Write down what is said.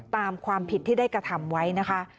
ตามความผิดที่ได้กระทำไว้นะคะ